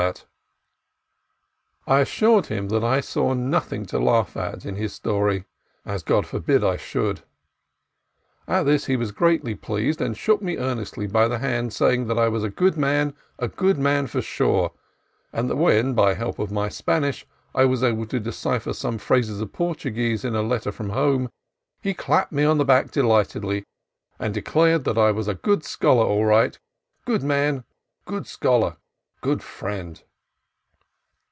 THE AVILAS OF AVILA 145 I assured him that I saw nothing to laugh at in his story; as God forbid I should. At this he was greatly pleased, and shook me earnestly by the hand, saying that I was "good man, good man for sure": and when, by help of my Spanish, I was able to decipher some phrases of Portuguese in a letter from home, he clapped me on the back delightedly, and declared that I was "good scholar, all right; good man, good scholar, good friend."